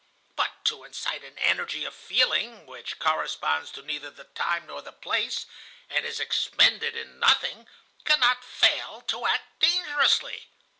But to incite an energy of feeling which corresponds to neither the time nor the place, and is expended in nothing, cannot fail to act dangerously.